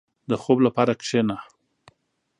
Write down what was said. • د ځواب لپاره کښېنه.